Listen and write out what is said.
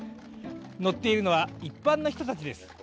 乗っているのは、一般の人たちです。